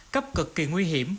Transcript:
cấp cực kỳ nguy hiểm